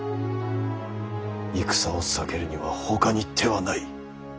戦を避けるにはほかに手はない。